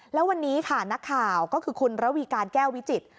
แล้ววันนี้ค่ะนักข่าวก็คือคุณระวีการแก้ววิจิตร